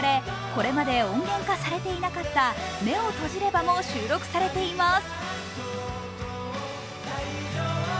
これまで音源化されていなかった「目を閉じれば」も収録されています。